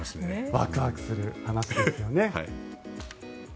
ワクワクする話ですよね。